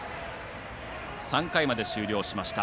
３回まで終了しました